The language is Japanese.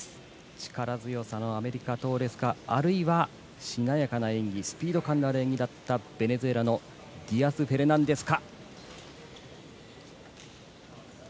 力強さのアメリカ、トーレスかあるいは、しなやかな演技スピード感のある演技だったベネズエラのディアス・フェルナンデスか。